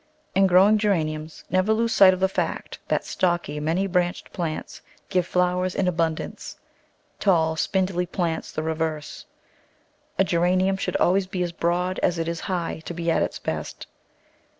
In growing Geraniums never lose sight of the fact that stocky, many branched plants give flowers in abun dance; tall, spindly plants the reverse. A Geranium should always be as broad as it is high to be at its best.